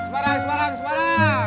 semarang semarang semarang